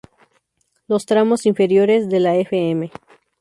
Los tramos inferiores de la Fm.